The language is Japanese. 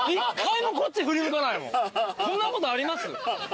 こんなことあります？